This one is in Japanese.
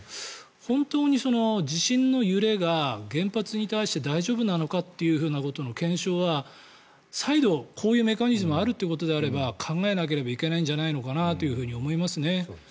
本当に地震の揺れが原発に対して大丈夫なのかということの検証は再度、こういうメカニズムがあるということであれば考えなければいけないんじゃないかなと思いますね。